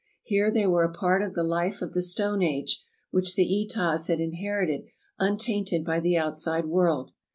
Here they were a part of the life of the stone age, which the Etahs had in herited untainted by the outside world.